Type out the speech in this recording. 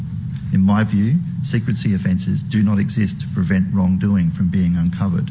pemerintah federal tidak menyebabkan kebohongan yang tidak dikawal